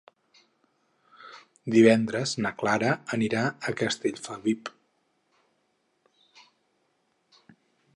Divendres na Clara anirà a Castellfabib.